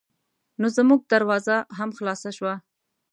نو زمونږ دروازه هم خلاصه شوه.